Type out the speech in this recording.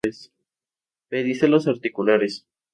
Pedicelos articulares.